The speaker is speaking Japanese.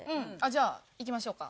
じゃあいきましょうか。